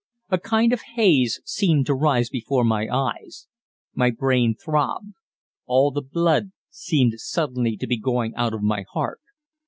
A kind of haze seemed to rise before my eyes. My brain throbbed. All the blood seemed suddenly to be going out of my heart.